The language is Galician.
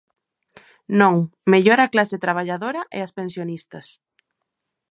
Non, mellor á clase traballadora e ás pensionistas.